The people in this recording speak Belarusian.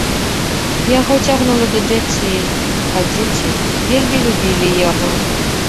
Яго цягнула да дзяцей, а дзеці вельмі любілі яго.